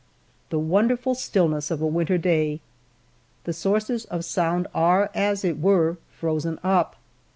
The wonderful stillness of a winter day ! thd sources of soimd are, as it were, frozen up.